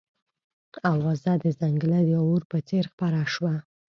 اوازه د ځنګله د اور په څېر خپره شوه.